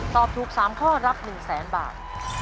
ตอบถูก๓ข้อรับ๑๐๐๐๐๐บาท